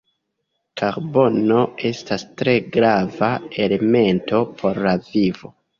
Karbono estas tre grava elemento por la vivo.